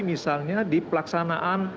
misalnya di pelaksanaan